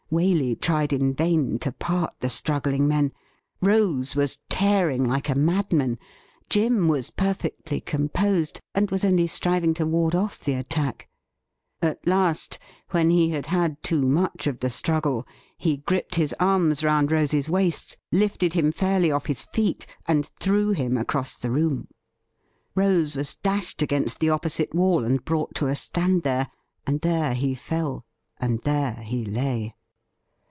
Waley tried in vain to part the struggling men. Rose was tear ing like a madman ; Jim was perfectly composed, and was only striving to ward off the attack. At last, when he had had too much of the struggle, he gripped his arms round Rose's waist, lifted him fairly off his feet, and threw him across the room. Rose was dashed against the opposite wall, and brought to a stand there ; and there he fell, and there he lay.